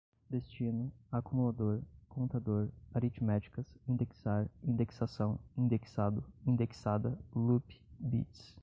destino, acumulador, contador, aritméticas, indexar, indexação, indexado, indexada, loop, bits